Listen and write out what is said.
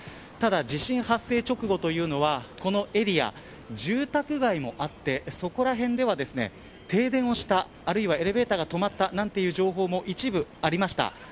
ただ地震発生直後というのはこのエリア、住宅街もあってそこら辺では停電をした、あるいはエレベーターが止まった情報も一部ありました。